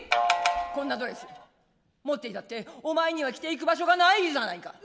こんなドレス持っていたっておまえには着ていく場所がないじゃないか。